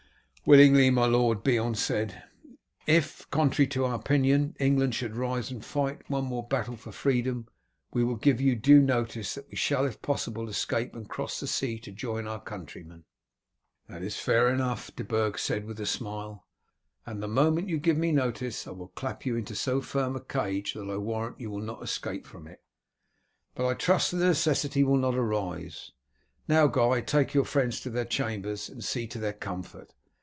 "Willingly, my lord," Beorn said. "If, contrary to our opinion, England should rise and fight one more battle for freedom, we will give you due notice that we shall if possible escape and cross the sea to join our countrymen." "That is fair enough," De Burg said with a smile, "and the moment you give me notice I will clap you into so firm a cage that I warrant you will not escape from it; but I trust the necessity will not arise. Now, Guy, take your friends to their chambers and see to their comfort.